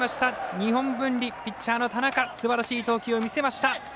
日本文理、ピッチャーの田中すばらしい投球を見せました。